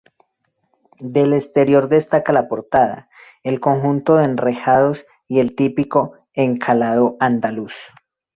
Del exterior destaca la portada, el conjunto de enrejados y el típico encalado andaluz.